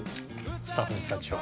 スタッフの人たちは。